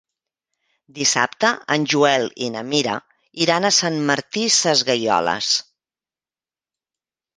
Dissabte en Joel i na Mira iran a Sant Martí Sesgueioles.